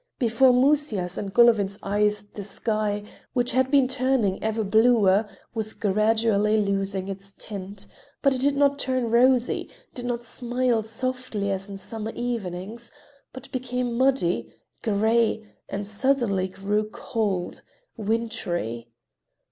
Before Musya's and Golovin's eyes the sky, which had been turning ever bluer, was gradually losing its tint, but it did not turn rosy, did not smile softly as in summer evenings, but became muddy, gray, and suddenly grew cold, wintry.